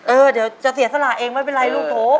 เดี๋ยวจะเสียสละเองไม่เป็นไรลูกโถ